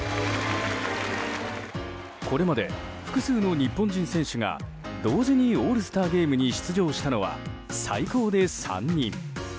これまで、複数の日本人選手が同時にオールスターゲームに出場したのは最高で３人。